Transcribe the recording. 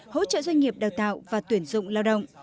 hỗ trợ doanh nghiệp đào tạo và tuyển dụng lao động